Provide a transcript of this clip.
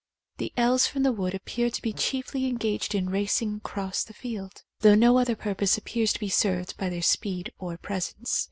The elves from the wood appear to be chiefly engaged in racing across the field, though no other purpose appears to be served by their speed or presence.